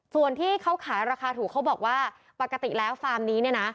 ส่วนที่เขาขายราคาถูกเขาบอกว่าปกติแล้วฟาร์มนี้เนี่ยนะ